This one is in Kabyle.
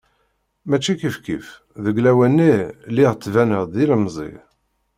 Mačči kifkif, deg lawan-nni lliɣ ttbineɣ-d d ilemẓi.